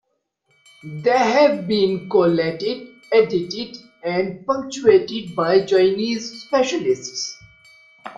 They have been collated, edited, and punctuated by Chinese specialists.